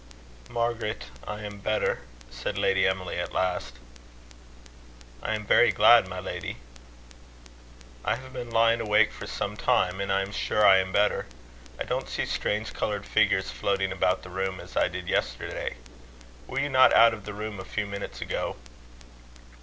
"Margaret, I am better," said Lady Emily, at last. "I am very glad, my lady." "I have been lying awake for some time, and I am sure I am better. I don't see strange coloured figures floating about the room as I did yesterday. Were you not out of the room a few minutes ago?"